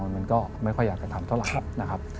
มันก็ไม่ค่อยอยากจะทำเท่าไหร่นะครับ